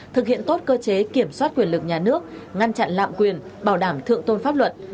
thực hiện tốt cơ chế kiểm soát quyền lực nhà nước ngăn chặn lạm quyền bảo đảm thượng tôn pháp luật